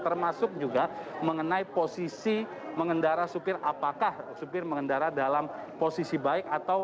termasuk juga mengenai posisi mengendara supir apakah supir mengendara dalam posisi baik